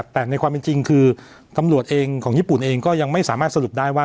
แต่ในความเป็นจริงคือตำรวจเองของญี่ปุ่นเองก็ยังไม่สามารถสรุปได้ว่า